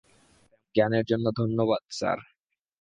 জ্ঞানের জন্য ধন্যবাদ, স্যার।